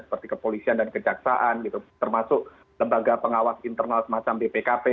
seperti kepolisian dan kejaksaan gitu termasuk lembaga pengawas internal semacam bpkp